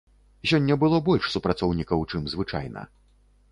Сёння было больш супрацоўнікаў, чым звычайна.